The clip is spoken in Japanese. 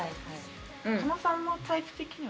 加納さんのタイプ的には。